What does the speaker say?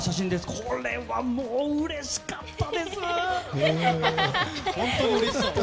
これはもう、うれしかったです！